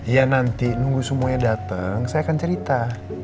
ya nanti nunggu semuanya datang saya akan cerita